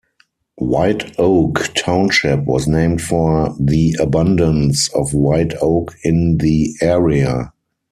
White Oak Township was named for the abundance of white oak in the area.